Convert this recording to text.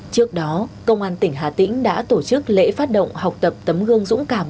trước đó công an tỉnh hà tĩnh đã tổ chức lễ phát động học tập tấm gương dũng cảm